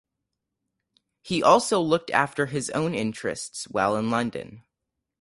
He also looked after his own interests while in London.